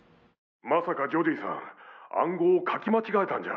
まさかジョディさん暗号を書き間違えたんじゃ。